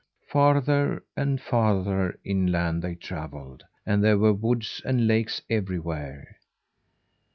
Farther and farther inland they travelled; and there were woods and lakes everywhere.